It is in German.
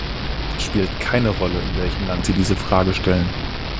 Es spielt keine Rolle, in welchem Land Sie diese Frage stellen.